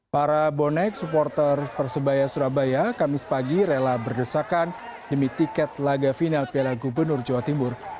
para bonek supporter persebaya surabaya kamis pagi rela berdesakan demi tiket laga final piala gubernur jawa timur